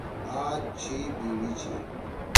آ چھی بیوی چھی۔“